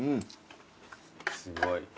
すごい。